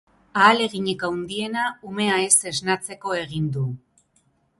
Ahaleginik handiena umea ez esnatzeko egin du.